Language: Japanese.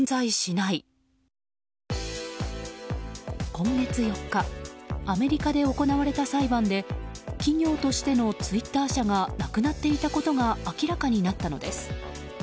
今月４日アメリカで行われた裁判で企業としてのツイッター社がなくなっていたことが明らかになったのです。